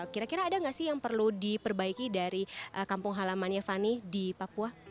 kira kira ada nggak sih yang perlu diperbaiki dari kampung halamannya fani di papua